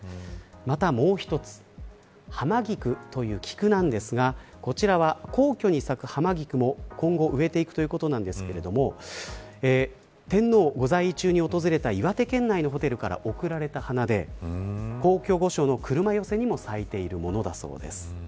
またもう一つハマギクという菊なんですがこちらは皇居に咲くハマギクも今後植えていくということなんですが天皇ご在位中に訪れた岩手県内のホテルから送られた花で皇居・御所の車寄せにも咲いているものだそうです。